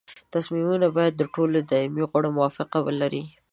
تصمیمونه باید د ټولو دایمي غړو موافقه ولري.